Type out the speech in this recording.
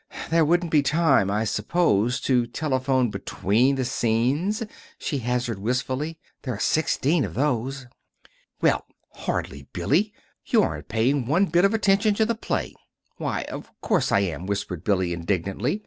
"There wouldn't be time, I suppose, to telephone between the scenes," she hazarded wistfully. "There are sixteen of those!" "Well, hardly! Billy, you aren't paying one bit of attention to the play!" "Why, of course I am," whispered Billy, indignantly.